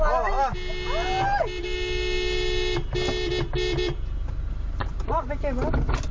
หวานอะไรวะ